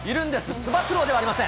つば九郎ではありません。